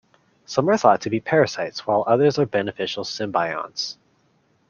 Some are thought to be parasites, while others are beneficial symbionts.